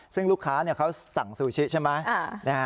ซึ่งลูกค้าเขาสั่งซูชิใช่ไหม